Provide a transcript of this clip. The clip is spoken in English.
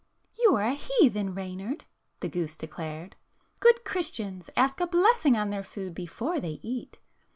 "You are a heathen, Reynard," the goose declared. "Good Christians ask a blessing on their food before they eat.